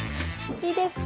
いいですか？